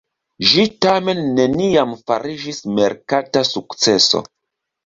Ĝi tamen neniam fariĝis merkata sukceso.